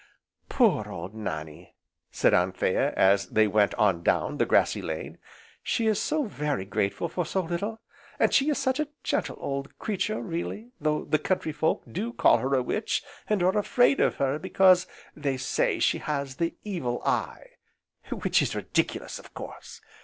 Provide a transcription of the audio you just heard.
"Poor old Nannie!" said Anthea, as they went on down the grassy lane, "she is so very grateful for so little. And she is such a gentle old creature really, though the country folk do call her a witch and are afraid of her because they say she has the 'evil eye,' which is ridiculous, of course!